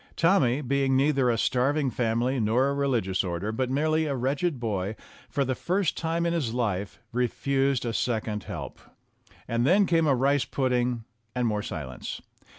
Tommy, being neither a starving family nor a religious order, but merely a wretched boy, for the first time in his life refused a second help. And then came a rice pudding and more silence.